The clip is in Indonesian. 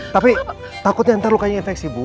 tapi takutnya ntar lukanya infeksi bu